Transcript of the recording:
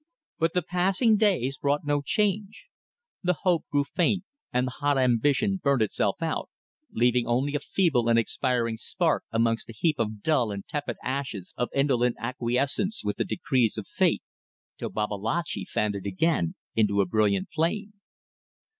But the passing days brought no change. The hope grew faint and the hot ambition burnt itself out, leaving only a feeble and expiring spark amongst a heap of dull and tepid ashes of indolent acquiescence with the decrees of Fate, till Babalatchi fanned it again into a bright flame.